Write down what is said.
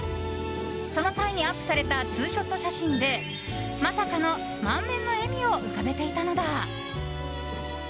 その際にアップされたツーショット写真でまさかの満面の笑みを浮かべていたのだ。